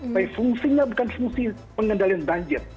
tapi fungsinya bukan fungsi pengendalian banjir